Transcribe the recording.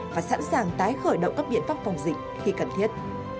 và sẵn sàng tái khởi động các biện pháp phòng dịch khi cần thiết